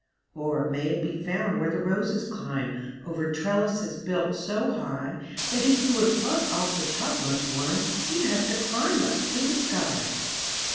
Or may it be found where the roses climb Over trellises built so high That if you would pluck off the topmost one You'd have to climb up to the sky?